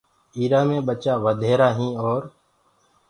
ايٚرآ مي ٻچآ وڌهيرآ هين اور